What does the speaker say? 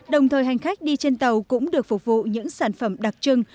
đồng thời hành khách đi trên tàu cũng được phục vụ những sản phẩm đặc trưng